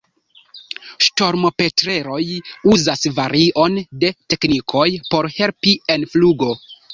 Ŝtormopetreloj uzas varion de teknikoj por helpi en flugo.